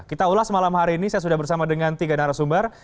kita ulas malam hari ini saya sudah bersama dengan tiga narasumber